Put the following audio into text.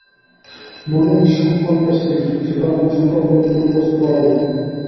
মনেই সঙ্কল্পের স্থিতি, সুতরাং সঙ্কল্পকে মূল বস্তু বলা ভুল।